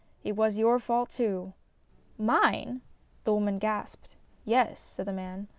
It was your fault too." " Mine ?" the woman gasped. "Yes," said the man.